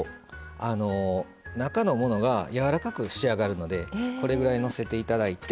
中のものがやわらかく仕上がるのでこれぐらいのせていただいて。